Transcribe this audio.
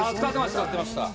使ってました？